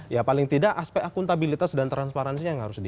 ya paling tidak aspek akuntabilitas dan transparansi yang harus di